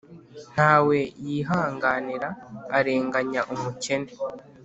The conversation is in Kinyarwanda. nta we yihanganira arenganya umukene,